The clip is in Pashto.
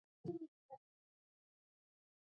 دوی د خپلې راتلونکې په اړه فکر کوي.